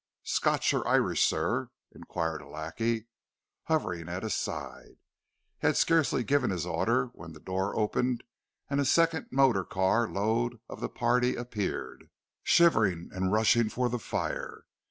"Scotch or Irish, sir?" inquired a lackey, hovering at his side. He had scarcely given his order when the door opened and a second motor load of the party appeared, shivering and rushing for the fire.